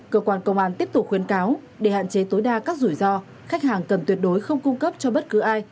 cơ quan công an tiếp tục khuyến cáo để hạn chế tối đa các rủi ro khách hàng cần tuyệt đối không cung cấp cho bất cứ ai